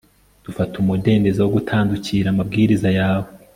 Dufata umudendezo wo gutandukira amabwiriza yawe